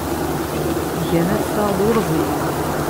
Gan assaɣ d urẓim.